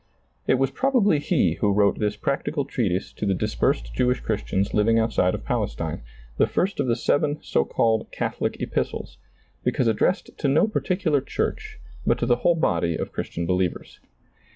It was probably he who wrote this practical treatise to the dispersed Jewish Christians living outside of Palestine, the first of the seven so called catholic epistles, because ad dressed to no particular church, but to the whole ^lailizccbvGoOgle 133 SEEING DARKLY body of Christian believers.